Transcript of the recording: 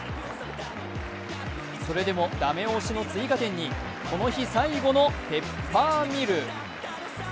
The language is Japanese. それでもダメ押しの追加点にこの日、最後のペッパーミル。